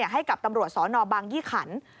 ให้กับตำรวจสนบางยี่ขัน